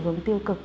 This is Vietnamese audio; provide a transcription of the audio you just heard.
chỉ hướng tiêu cực